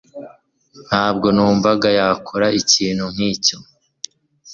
Ntabwo numva ko yakora ikintu nkicyo